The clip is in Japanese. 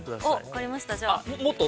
◆分かりました、じゃあ。